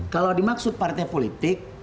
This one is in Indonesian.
kalau dimaksud partai politik